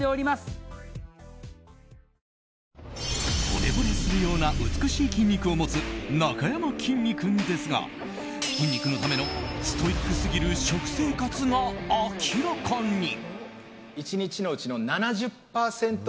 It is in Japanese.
ほれぼれするような美しい筋肉を持つなかやまきんに君ですが筋肉のためのストイックすぎる食生活が明らかに。